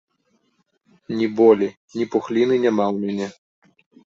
Ні болі, ні пухліны няма ў мяне.